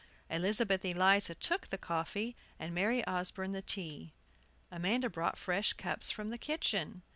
Elizabeth Eliza took the coffee, and Mary Osborne the tea. Amanda brought fresh cups from the kitchen.